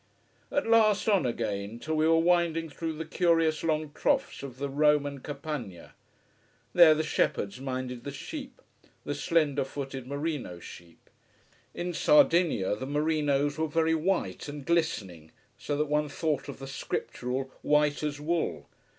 At last on again, till we were winding through the curious long troughs of the Roman Campagna. There the shepherds minded the sheep: the slender footed merino sheep. In Sardinia the merinos were very white and glistening, so that one thought of the Scriptural "white as wool."